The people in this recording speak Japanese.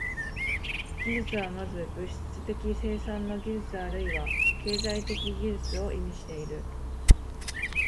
技術は先ず物質的生産の技術あるいは経済的技術を意味している。